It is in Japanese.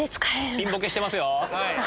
ピンボケしてますよ。